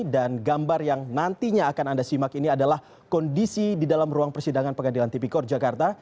dan gambar yang nantinya akan anda simak ini adalah kondisi di dalam ruang persidangan pengadilan tipikor jakarta